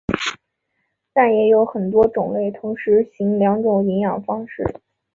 但也有很多种类同时行两种营养方式。